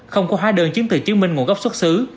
không có hóa đơn chứng từ chứng minh nguồn gốc xuất xứ